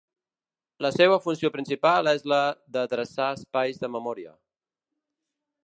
La seua funció principal és la d'adreçar espais de memòria.